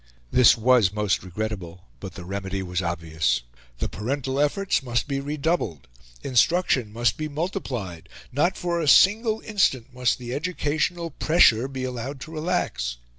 This was most regrettable, but the remedy was obvious: the parental efforts must be redoubled; instruction must be multiplied; not for a single instant must the educational pressure be allowed to relax.